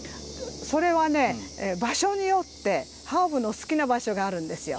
それはね場所によってハーブの好きな場所があるんですよ。